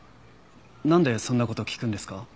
なんでそんな事を聞くんですか？